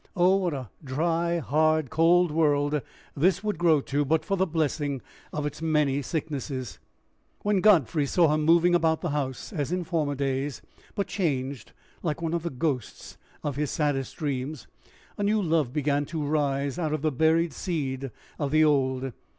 Oh, what a dry, hard, cold world this would grow to, but for the blessing of its many sicknesses! When Godfrey saw her moving about the house as in former days, but changed, like one of the ghosts of his saddest dreams, a new love began to rise out of the buried seed of the old.